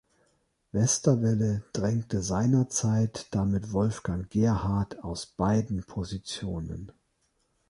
Westerwelle drängte seinerzeit damit Wolfgang Gerhardt aus beiden Positionen.